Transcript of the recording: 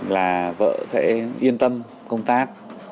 là vợ sẽ yên tâm công tác